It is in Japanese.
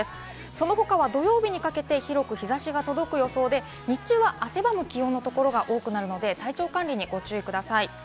その他は土曜日にかけて広く日差しが届く予想で日中は汗ばむ気温のところが多くなるので体調管理にご注意ください。